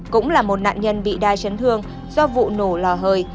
cũng là một nạn nhân bị đa chấn thương do vụ nổ lò hơi